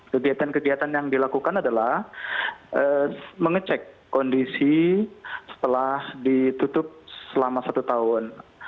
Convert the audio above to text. kegiatan kegiatan yang dilakukan adalah mengecek kondisi setelah ditutup selama satu tahun